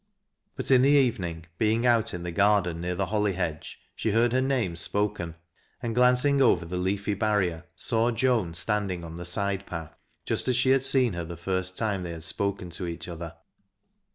But in the evening, being out in the garden near the holly hedge, she heard her name spoken, and glancing over the leafy barrier, saw Joan standing on the side path, just as she had seen her the first time they had spoken to each other.